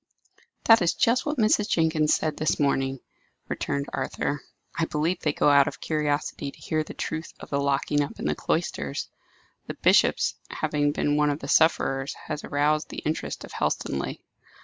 "That is just what Mrs. Jenkins said this morning," returned Arthur. "I believe they go out of curiosity to hear the truth of the locking up in the cloisters. The bishop's having been one of the sufferers has aroused the interest of Helstonleigh."